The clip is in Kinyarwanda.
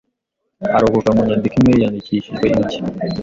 arokoka mu nyandiko imwe yandikishijwe intoki